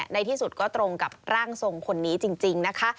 ในที่สุดก็ตรงกับร่างทรงคนนี้จริงนะคะ